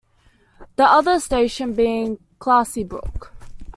The other station being Claisebrook.